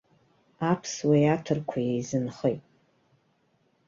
Аԥсуеи аҭырқәеи еизынхеит.